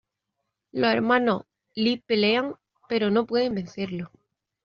Los hermanos Lee pelean, pero no pueden vencerlo.